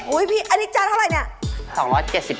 อุ๊ยพี่อันนี้จานเท่าไรเนี่ย